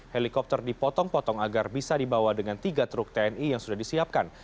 helikopter dipotong potong agar bisa dibawa dengan tiga truk tni yang sudah disiapkan